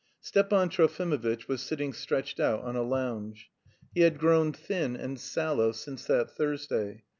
Stepan Trofimovitch was sitting stretched out on a lounge. He had grown thin and sallow since that Thursday.